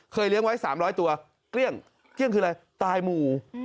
เคยเลี้ยงไว้สามร้อยตัวเกลี้ยงเกลี้ยงคืออะไรตายหมูอืม